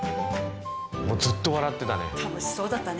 もうずっと笑ってたね。